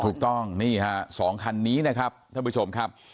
ถูกต้องนี่ฮะ๒คันนี้นะครับท่านผู้ชมครับ